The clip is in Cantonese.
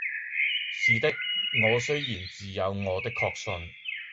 是的，我雖然自有我的確信，